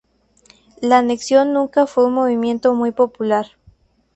La anexión nunca fue un movimiento muy popular.